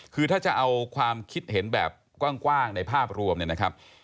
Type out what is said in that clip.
คือถ้าจะเอาความคิดเห็นแบบกว้างในภาพรวมเนี่ยนะครับ